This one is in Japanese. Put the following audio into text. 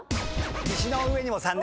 石の上にも三年。